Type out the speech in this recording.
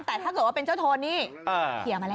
แต่ถ้าเกิดว่าเป็นเจ้าโทนนี่เสียมาแล้ว